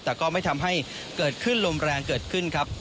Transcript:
แต่ก็ไม่ทำให้เกิดขึ้นลมแรงเกิดขึ้นครับ